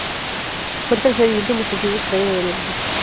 Fue el tercer y último sencillo extraído del álbum.